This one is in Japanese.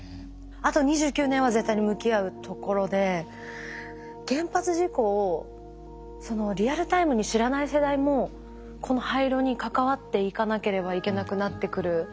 あと２９年は絶対に向き合うところで原発事故をリアルタイムに知らない世代もこの廃炉に関わっていかなければいけなくなってくる。